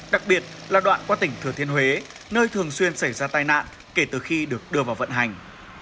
đặc biệt là đoạn qua tỉnh thừa thiên huế nơi thường xuyên xảy ra tai nạn kể từ khi được đưa vào vận hành